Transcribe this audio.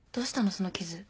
その傷。